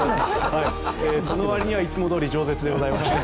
その割にはいつもどおり饒舌でございました。